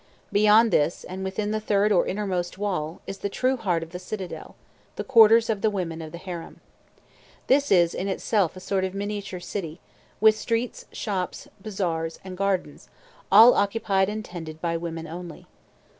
Beyond this, and within the third or innermost wall, is the true heart of the citadel, the quarters of the women of the harem. This is in itself a sort of miniature city, with streets, shops, bazaars, and gardens, all occupied and tended by women only.